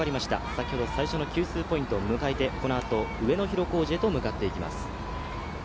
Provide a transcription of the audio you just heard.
先ほど最初の給水ポイントを迎えて、このあと上野広小路へと向かっていきます。